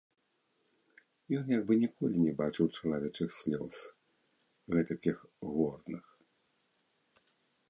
Ён як бы ніколі не бачыў чалавечых слёз, гэтакіх горных.